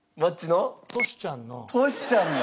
トシちゃんの。